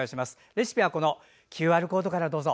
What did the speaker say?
レシピはＱＲコードからどうぞ。